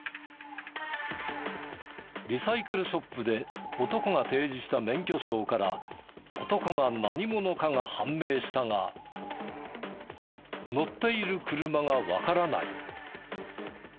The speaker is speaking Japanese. リサイクルショップで男が提示した免許証から男が何者かが判明したが乗っている車がわからない。